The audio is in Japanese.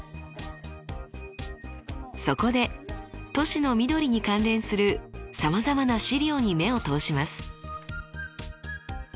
そこで都市の緑に関連するさまざまな資料に目を通します。